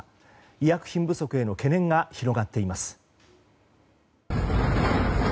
医薬品不足への懸念が広がっています。